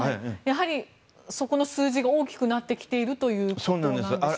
やはり、そこの数字が大きくなってきているということでしょうか。